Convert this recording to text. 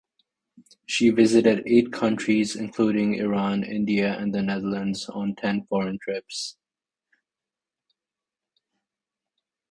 She visited eight countries including Iran, India, and the Netherlands on ten foreign trips.